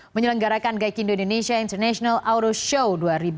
menyelenggarakan gaikindo indonesia international auto show dua ribu enam belas